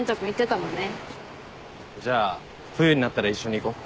じゃあ冬になったら一緒に行こう。